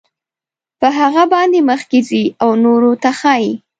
په هغه باندې مخکې ځي او نورو ته ښایي.